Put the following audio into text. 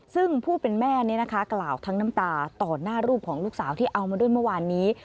ซึ่งผู้เป็นแม่นี้นะคะกล่าวทั้งน้ำตาต่อหน้ารูปของลูกสาวที่เอามาด้วยเมื่อวานนี้